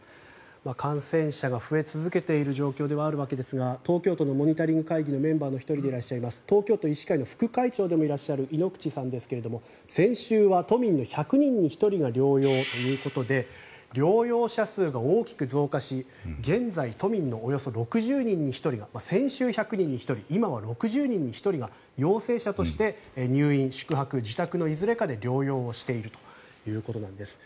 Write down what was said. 感染者が増え続けている状況ではあるわけですが東京都のモニタリング会議のメンバーの１人でいらっしゃいます東京都医師会の副会長でもいらっしゃいます猪口さんですが先週は都民の１００人に１人が療養ということで療養者数が大きく増加し現在、都民のおよそ６０人に１人が先週は１００人に１人今は６０人に１人が陽性者として入院、宿泊、自宅のいずれかで療養をしているということなんです。